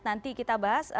nanti kita bahas